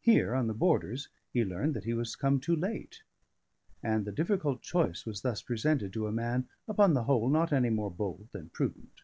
Here, on the borders, he learned that he was come too late; and a difficult choice was thus presented to a man (upon the whole) not any more bold than prudent.